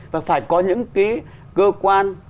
và phải có những cái cơ quan